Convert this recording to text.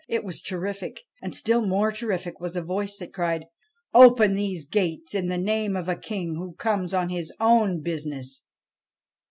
It was terrific, and still more terrific was a voice that cried :' Open these gates, in the name of a King who comes on his own business